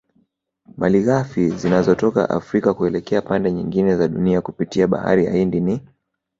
Malighafi zinazotoka Afrika kuelekea pande nyingine za Dunia kupitia bahari ya Hindi ni